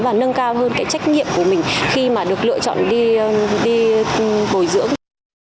và nâng cao hơn cái trách nhiệm của mình khi mà được lựa chọn đi bồi dưỡng